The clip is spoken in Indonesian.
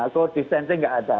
so distancing nggak ada